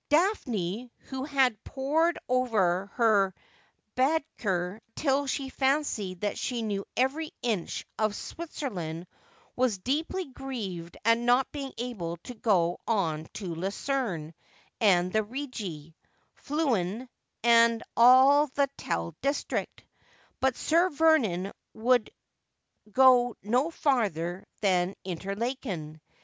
Daphne, who had pored over her Baedeker till she fancied that she knew every inch of Switzerland, was deeply grieved at not being able to go on to Lucerne and the Rigi, Fltielen, and all the Tell district ; but Sir Vernon would go no farther than Interlaken.